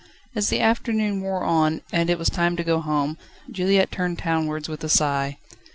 As the afternoon wore on, and it was time to go home, Juliette turned townwards with a sigh.